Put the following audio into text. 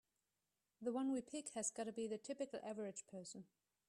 The one we pick has gotta be the typical average person.